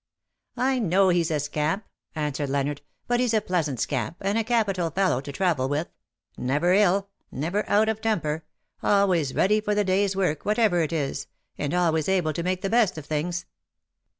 " I know he^s a scamp/^ answered Leonard, " but he's a pleasant scamp, and a capital fellow to travel with — never ill — never out of temper — always ready for the daj'^s work, whatever it is, and always able to make the best of things.